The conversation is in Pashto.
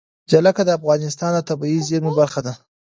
جلګه د افغانستان د طبیعي زیرمو برخه ده.